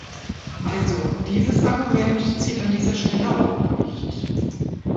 Also, dieses Argument zieht an dieser Stelle auch nicht!